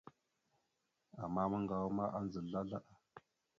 Ama maŋgawa ma andza slaslaɗa.